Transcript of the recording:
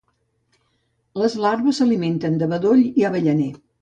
Les larves s'alimenten de bedoll i avellaner.